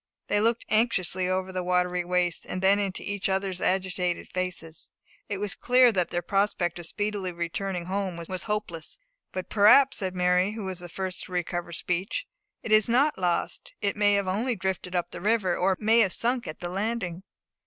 They looked anxiously over the watery waste, and then into each other's agitated faces. It was clear that their prospect of speedily returning home was hopeless. "But perhaps," said Mary, who was the first to recover speech, "it is not lost. It may have only drifted up the river; or it may have sunk at the landing."